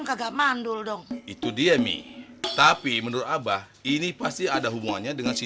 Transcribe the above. kagak mandul dong itu dia mie tapi menurut abah ini pasti ada hubungannya dengan si